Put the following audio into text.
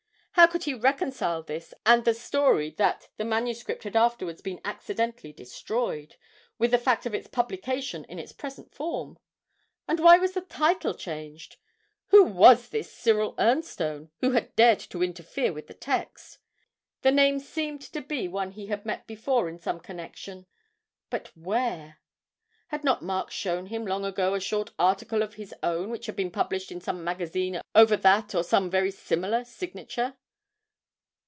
How could he reconcile this and the story that the manuscript had afterwards been accidentally destroyed, with the fact of its publication in its present form? And why was the title changed? Who was this Cyril Ernstone, who had dared to interfere with the text? The name seemed to be one he had met before in some connection but where? Had not Mark shown him long ago a short article of his own which had been published in some magazine over that or some very similar signature?